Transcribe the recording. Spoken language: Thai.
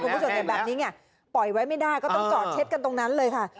คุณผู้ชมเห็นแบบนี้ไงปล่อยไว้ไม่ได้ก็ต้องจอดเช็ดกันตรงนั้นเลยค่ะ